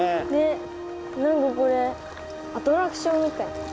なんかこれアトラクションみたい。